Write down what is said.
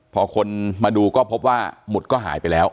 พอคนมาดูก็พบว่าหมุดก็หายไปแล้ว